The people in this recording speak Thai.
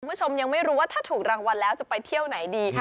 คุณผู้ชมยังไม่รู้ว่าถ้าถูกรางวัลแล้วจะไปเที่ยวไหนดี